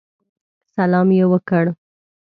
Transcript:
سلام یې وکړ.